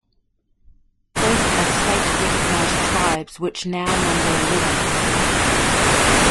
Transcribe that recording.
Both are state-recognized tribes, which now number eleven.